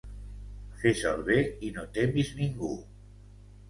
Fes el bé i no temis ningú.